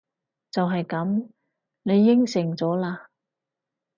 就係噉！你應承咗喇！